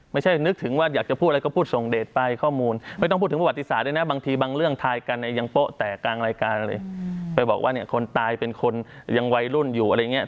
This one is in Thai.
นึกถึงว่าอยากจะพูดอะไรก็พูดส่งเดทไปข้อมูลไม่ต้องพูดถึงประวัติศาสตร์เลยนะบางทีบางเรื่องทายกันเนี่ยยังโป๊ะแตกกลางรายการเลยไปบอกว่าเนี่ยคนตายเป็นคนยังวัยรุ่นอยู่อะไรอย่างเงี้